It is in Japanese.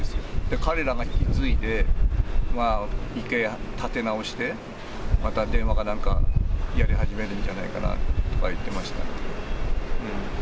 彼らが引き継いで、一回立て直して、また電話かなんかやり始めるんじゃないかなとか言ってました。